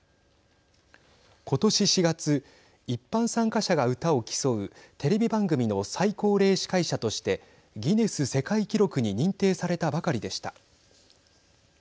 ことし４月一般参加者が歌を競うテレビ番組の最高齢司会者としてギネス世界記録に認定されたばかりでした。